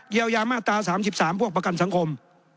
ยายามาตรา๓๓พวกประกันสังคม